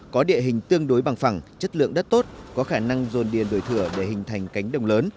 có địa hình tương đối bằng phẳng chất lượng đất tốt có khả năng dồn điền đổi thửa để hình thành cánh đồng lớn